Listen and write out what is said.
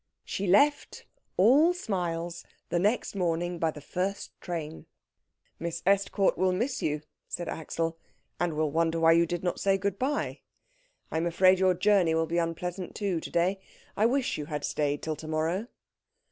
She left, all smiles, the next morning by the first train. "Miss Estcourt will miss you," said Axel, "and will wonder why you did not say good bye. I am afraid your journey will be unpleasant, too, to day. I wish you had stayed till to morrow."